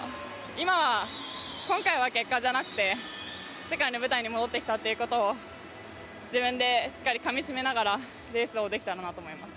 今回は結果じゃなくて世界の舞台に戻ってきたことを自分でしっかりかみしめながらレースをできたらなと思います。